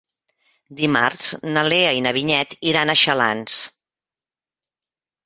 Dimarts na Lea i na Vinyet iran a Xalans.